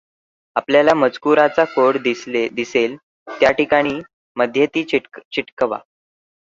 आपल्याला मजकुराचा कोड दिसेल त्या ठिकाणी, मध्ये ती चिटकवा.